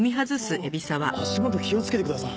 足元気をつけてください。